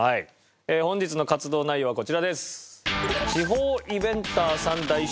本日の活動内容はこちらです。